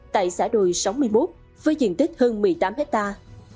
tại xã đồi sáu mươi một với diện tích hơn một mươi tám hectare